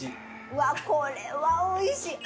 うわこれはおいしい。